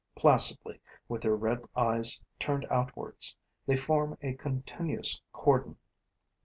Placidly, with their red eyes turned outwards, they form a continuous cordon.